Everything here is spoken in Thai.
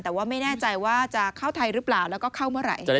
แต่ว่าไม่แน่ใจว่าจะเข้าไทยหรือเปล่าแล้วก็เข้าเมื่อไหร่